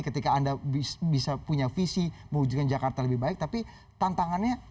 ketika anda bisa punya visi mewujudkan jakarta lebih baik tapi tantangannya